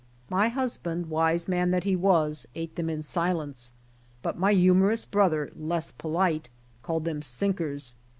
My husband, wise man that he was, ate them in silence, but my humor ous brother, less polite, called them sinkers.